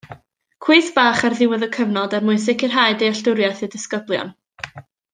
Cwis bach ar ddiwedd y cyfnod er mwyn sicrhau dealltwriaeth y disgyblion.